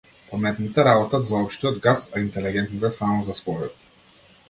Паметните работат за општиот газ, а интелегентните само за својот.